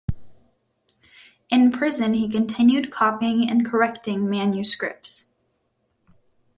In prison he continued copying and correcting manuscripts.